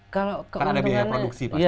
karena ada biaya produksi pasti ya